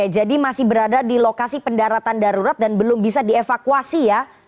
jadi masih berada di lokasi pendaratan darurat dan belum bisa dievakuasi